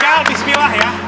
haikal bismillah ya